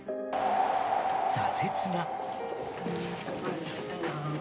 ［挫折が］